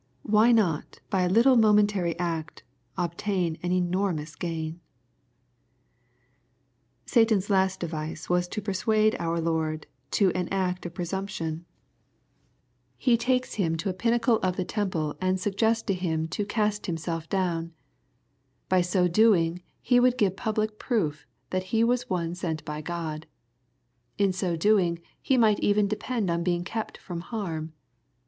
Why not by a little momentary act, obtain an enormous gain ? V Satan's last device was to persuade our Lord to an act \ of presumption. He takes Him to a pinnacle of the LUKE, CHAP. IV. Ill teiople and suggests to Him to "cast Himself down." By so doing he would give public proof that He was one sent by God. In so doing He might even depend on being kept from harm.